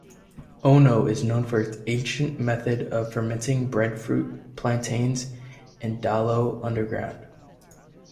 Ono is known for its ancient method of fermenting breadfruit, plantains, and dalo underground.